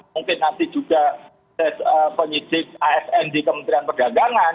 mungkin nanti juga penyidik asn di kementerian perdagangan